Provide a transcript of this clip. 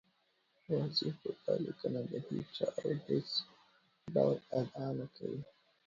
واضح کړو، دا لیکنه د هېچا او هېڅ ډول ادعا